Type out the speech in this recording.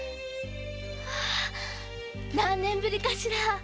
何年ぶりかしら！